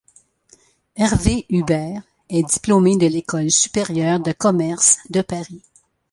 Hervé Hubert est diplômé de l'École supérieure de commerce de Paris.